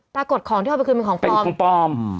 ปรากฏของที่เอาไปคืนเป็นของพร้อม